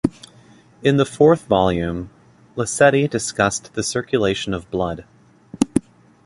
In the fourth volume, Liceti discussed the circulation of blood.